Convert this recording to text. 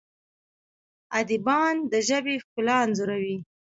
ادیبان د ژبې ښکلا انځوروي.